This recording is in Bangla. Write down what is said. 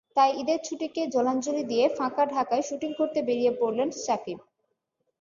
তাই ঈদের ছুটিকে জলাঞ্জলি দিয়ে ফাঁকা ঢাকায় শুটিং করতে বেরিয়ে পড়লেন শাকিব।